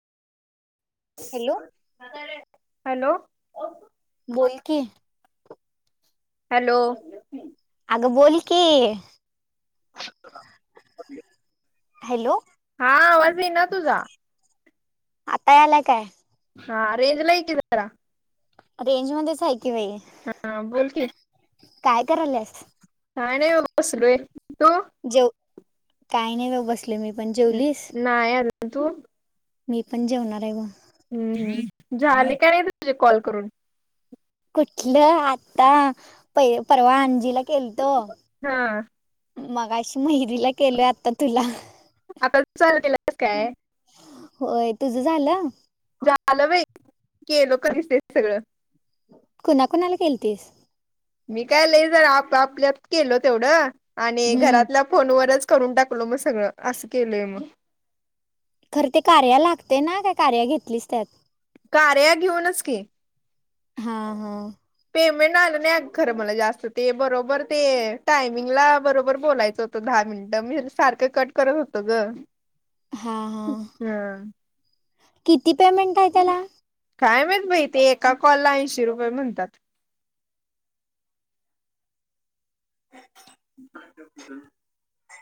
hello hello बोल कि hello बोल की हॅलो हा आ वाजे ना तुझा आता आला काय हा अ रेंज नाही रेंज मध्ये हा बोल के काय कराला आणि येऊन बसलोय तू जेव काही नाही म बसले मी पण जेवलीस नाही अजून तू मी पण जेवणार आहे ग हम्म झाले का नाही तुझे कॉल करून कुठलं आता प परवा अंजीला केल त हा मग अशी माहती ला केल आता तुला आता चालू काय होय तुझं झालं झालं व केलो दिसते सगळं कोणा कोणाला केलतीस मी काय लई जरा आप आपल्यात केल तेवढं आणि हम्म घरातल्या फोनवरच करून टाकल मग सगळं असं केलंय मग खर ते कार्या लागते ना काय कार्या घेतलीच त्यात कार्या घेऊनच की हा हा वेगळे आले ते खरं तर जास्त ते बरोबर ते टायमिंगला बरोबर बोलायचं होतं दहा मिन म्ह मी सारखं कट करत होतो ग हा हा ह किती पेमेंट आहे त्याला कायमत बाई ते एका कॉल ला ऐंशी रुपये म्हणतात